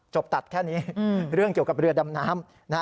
ตัดแค่นี้เรื่องเกี่ยวกับเรือดำน้ำนะฮะ